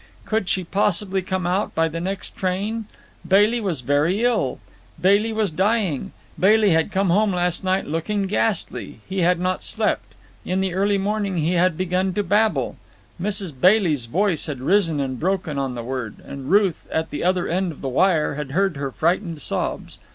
Could she possibly come out by the next train? Bailey was very ill. Bailey was dying. Bailey had come home last night looking ghastly. He had not slept. In the early morning he had begun to babble—Mrs. Bailey's voice had risen and broken on the word, and Ruth at the other end of the wire had heard her frightened sobs.